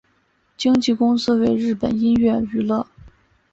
经纪公司为日本音乐娱乐。